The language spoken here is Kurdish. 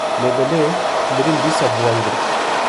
lêbelê mirin dîsa bi wan girt.